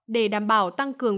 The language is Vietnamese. để đảm bảo tăng cường